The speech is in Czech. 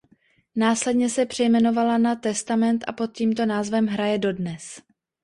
Následně se přejmenovala na Testament a pod tímto názvem hraje dodnes.